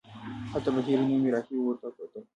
هلته بهیري نومې راهب ورته وکتل.